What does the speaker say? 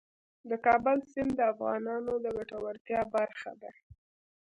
د کابل سیند د افغانانو د ګټورتیا برخه ده.